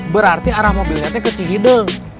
berarti arah mobilnya ke cihidung